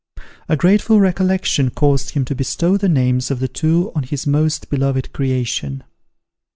A grateful recollection caused him to bestow the names of the two on his most beloved creation.